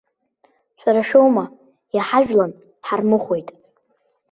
Шәара шәоума, иҳажәлан, ҳармыхәеит.